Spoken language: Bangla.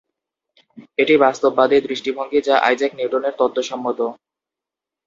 এটি বাস্তববাদী দৃষ্টিভঙ্গি যা আইজ্যাক নিউটনের তত্ত্বসম্মত।